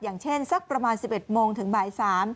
อย่างเช่นสักประมาณ๑๑โมงถึงบ่าย๓